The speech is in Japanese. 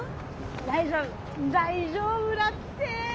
大丈夫大丈夫らって。